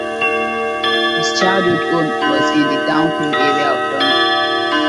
His childhood home was in the Downfield area of Dundee.